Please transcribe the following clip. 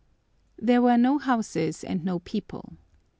There were no houses and no people.